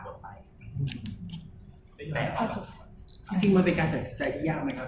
แล้วจึงเป็นการตัดสินใจที่ยากนะครอบครู